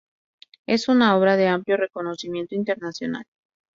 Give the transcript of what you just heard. Es una obra de amplio reconocimiento internacional.